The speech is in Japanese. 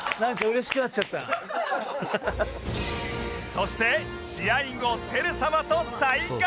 そして試合後輝さまと再会